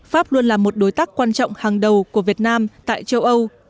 pháp luôn là một đối tác quan trọng hàng đầu của việt nam tại châu âu